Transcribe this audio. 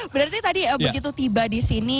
berarti tadi begitu tiba disini